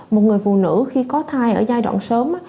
một người phụ nữ khi có thai ở giai đoạn sớm